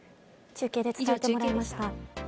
中継で伝えてもらいました。